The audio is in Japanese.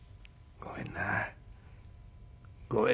ごめんな。